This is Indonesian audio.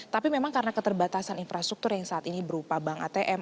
tapi memang karena keterbatasan infrastruktur yang saat ini berupa bank atm